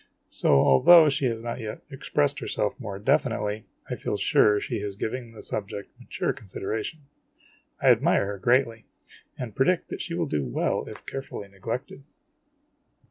So, although she has not yet expressed herself more definitely, I feel sure she is giving the subject mature consid eration. I admire her greatly, and predict that she will do well if carefully neglected.